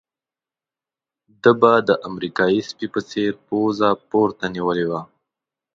ده به د امریکایي سپي په څېر پوزه پورته نيولې وه.